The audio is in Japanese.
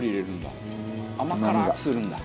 「甘辛くするんだ」